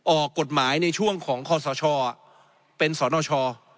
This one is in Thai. ออกกฎหมายในช่วงของคศเป็นสนช